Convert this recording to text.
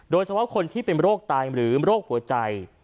โดยเฉพาะคนที่เป็นโรคตายหรือโรคหัวใจ